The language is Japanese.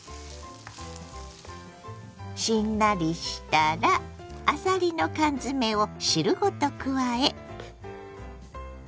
しんなりしたらあさりの缶詰を汁ごと加え。